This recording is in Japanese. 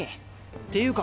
っていうか